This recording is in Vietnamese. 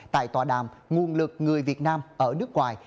tại tòa đàm nguồn lực người việt nam ở nước ngoài